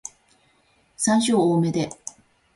山椒多めで